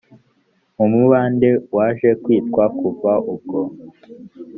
mu mubande waje kwitwa kuva ubwo